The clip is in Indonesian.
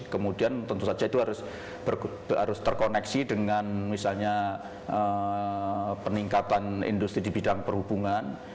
kemudian tentu saja itu harus terkoneksi dengan misalnya peningkatan industri di bidang perhubungan